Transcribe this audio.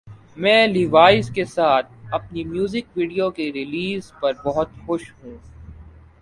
میں لیوائز کے ساتھ اپنی میوزک ویڈیو کی ریلیز پر بہت خوش ہوں